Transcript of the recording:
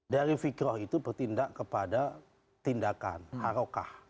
dari fikroh itu bertindak kepada tindakan arokah